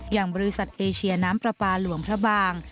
อย่างบริษัทเอเชียน้ำปลาปลาหลวงพระบาง